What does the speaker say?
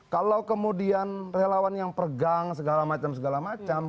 kalau kemudian relawan yang pergang segala macam segala macam